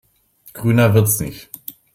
Grüner wird's nicht.